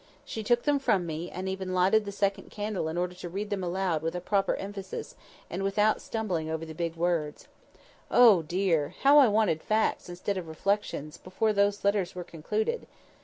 She took them from me, and even lighted the second candle in order to read them aloud with a proper emphasis, and without stumbling over the big words. Oh dear! how I wanted facts instead of reflections, before those letters were concluded!